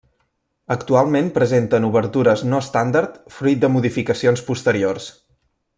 Actualment presenten obertures no estàndard, fruit de modificacions posteriors.